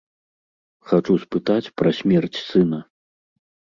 Хачу спытаць пра смерць сына.